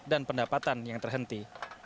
dan juga dengan pendapatan yang terhenti